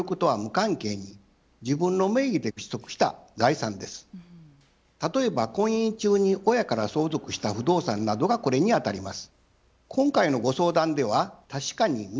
２つ目は例えば婚姻中に親から相続した不動産などがこれにあたります。